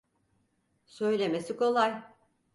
Söylemesi kolay.